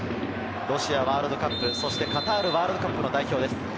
ロシアワールドカップ、そしてカタールワールドカップの代表です。